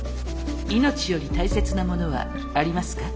命より大切なものはありますか？